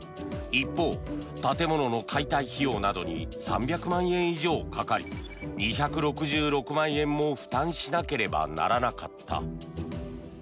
一方、建物の解体費用などに３００万円以上かかり２６６万円も負担しなければならなかった。